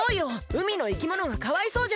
うみのいきものがかわいそうじゃない！